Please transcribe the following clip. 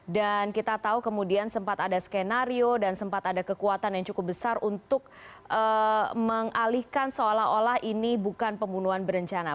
dan kita tahu kemudian sempat ada skenario dan sempat ada kekuatan yang cukup besar untuk mengalihkan seolah olah ini bukan pembunuhan berencana